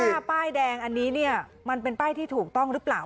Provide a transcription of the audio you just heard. ป้ายแดงอันนี้เนี่ยมันเป็นป้ายที่ถูกต้องหรือเปล่า